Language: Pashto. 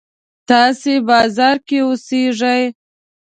تاسې بازار کې اوسېږئ.